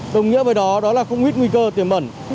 đồng nghĩa với đó là công nguyết nguy cơ tiềm bẩn